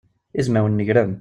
Izmawen negren.